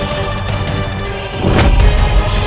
rai muda baik saja